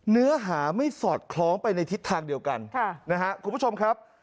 เนื้อหาไม่สอดคล้องไปในทิศทางเดียวกันนะครับคุณผู้ชมครับ